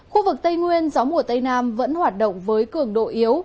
khu vực tây nguyên gió mùa tây nam vẫn hoạt động với cường độ yếu